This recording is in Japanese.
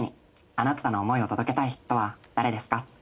あなたの思いを届けたい人は誰ですか？